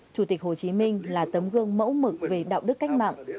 chủ tịch hồ chí minh là tấm gương mẫu mực về đạo đức cách mạng